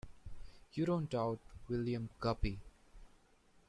You don't doubt William Guppy?